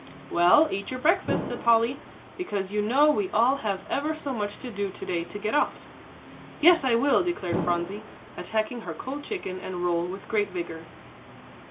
"Well, eat your breakfast," said Polly, "because you know we all have ever so much to do to day to get off." "Yes, I will," declared Phronsie, attacking her cold chicken and roll with great vigour.